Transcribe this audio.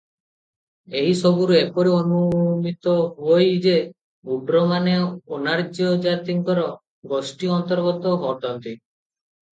ଏହିସବୁରୁ ଏପରି ଅନୁମିତ ହୁଅଇ ଯେ ଓଡ୍ରମାନେ ଅନାର୍ଯ୍ୟ ଜାତିଙ୍କର ଗୋଷ୍ଠି ଅନ୍ତର୍ଗତ ଅଟନ୍ତି ।